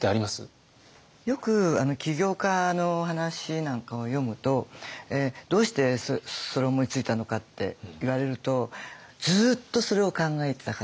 よく起業家の話なんかを読むと「どうしてそれを思いついたのか？」って言われると「ずっとそれを考えてたから。